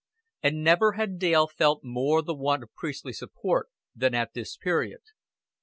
And never had Dale more felt the want of priestly support than at this period.